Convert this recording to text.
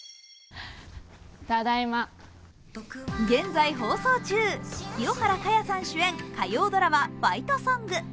現在放送中、清原果耶さん主演火曜ドラマ「ファイトソング」。